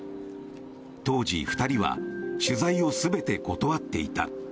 当時、２人は取材を全て断っていた。